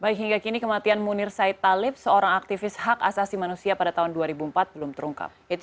baik hingga kini kematian munir said talib seorang aktivis hak asasi manusia pada tahun dua ribu empat belum terungkap